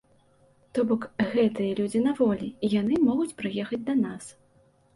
То бок, гэтыя людзі на волі, і яны могуць прыехаць да нас.